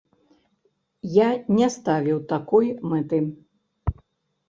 Я не ставіў такой мэты.